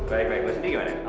baik baik bu sendiri gimana